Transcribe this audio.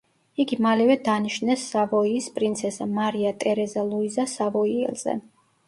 იგი მალევე დანიშნეს სავოიის პრინცესა მარია ტერეზა ლუიზა სავოიელზე.